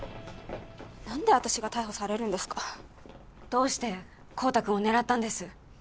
何で私が逮捕されるんですかどうして孝多君を狙ったんです？